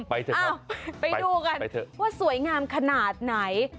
ไปดูกันว่าสวยงามขนาดไหน